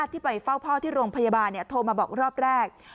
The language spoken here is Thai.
ที่ไปเฝ้าพ่อที่โรงพยาบาลโทรมาบอกรอบแรก